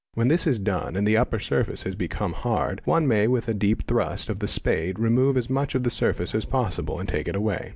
When this is done and the upper surface has become — hard, one may with a deep thrust of the spade remove as much of the surface as possible and take it away.